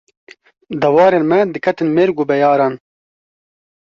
Dewarên me diketin mêrg û beyaran